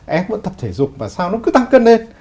em vẫn tập thể dục mà sao nó cứ tăng cân lên